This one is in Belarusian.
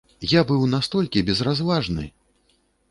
Я быў настолькі безразважны!